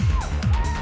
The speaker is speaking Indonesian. kita pulang aja